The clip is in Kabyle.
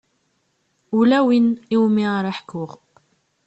Ula win iwumi ara ḥkuɣ.